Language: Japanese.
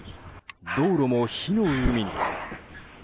道路も火の海に。